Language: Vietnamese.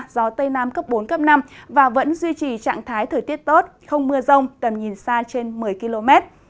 gió tây nam cấp bốn cấp năm và vẫn duy trì trạng thái thời tiết tốt không mưa rông tầm nhìn xa trên một mươi km